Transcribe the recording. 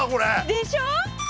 でしょ！